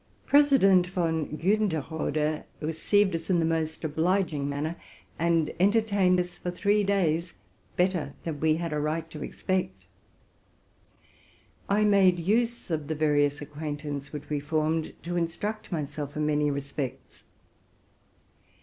President von Giinderode received us in the most obliging manner, and entertained us for three days better than we had a right to expect. I made use of the various acquaintance which we formed, to instruct myself in many respects.